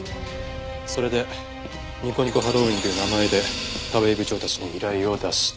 それでにこにこハロウィーンという名前で田部井部長たちに依頼を出した。